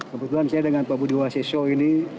kebetulan saya dengan pak budi waseso ini